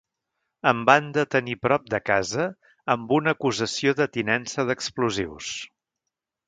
Em van detenir prop de casa amb una acusació de tinença d’explosius.